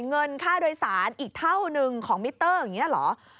เงินค่าโดยสารอีกเท่านึงของมิเตอร์อย่างนี้เหรอ